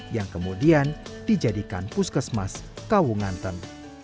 yang kemudian dijadikan puskesmas kawunganten